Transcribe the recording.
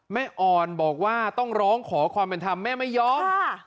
อ่อนบอกว่าต้องร้องขอความเป็นธรรมแม่ไม่ยอม